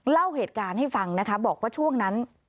เล่าเหตุการณ์ให้ฟังนะคะบอกว่าช่วงนั้น